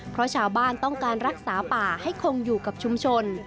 เพราะชาวบ้านต้องการรักษาป่าให้คงอยู่กับชุมชน